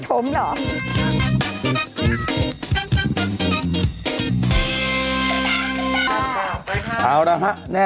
กรมป้องกันแล้วก็บรรเทาสาธารณภัยนะคะ